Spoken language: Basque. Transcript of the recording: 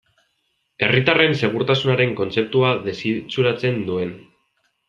Herritarren segurtasunaren kontzeptua desitxuratzen duen.